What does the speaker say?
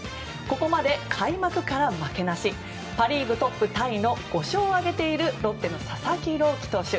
ここまで開幕から負けなしパ・リーグトップタイの５勝を挙げているロッテの佐々木朗希投手。